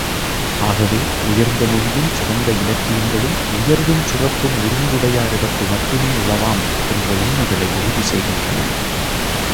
ஆகவே, உயர்ந்த மொழியும், சிறந்த இலக்கியங்களும், உயர்வும் சிறப்பும் ஒருங்குடையாரிடத்து மட்டுமே உளவாம் என்ற உண்மைகளை உறுதி செய்கின்றன.